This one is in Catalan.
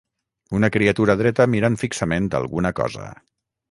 Una criatura dreta mirant fixament alguna cosa.